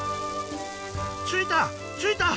ついた！